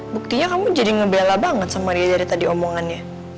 buktinya kamu jadi ngebela banget sama ria dari tadi omongannya